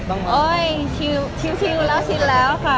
โอ๊ยชิวแล้วชินแล้วค่ะ